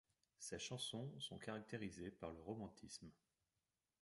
Ses chansons sont caractérisées par le romantisme.